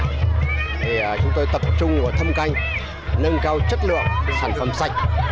thì chúng tôi tập trung vào thâm canh nâng cao chất lượng sản phẩm sạch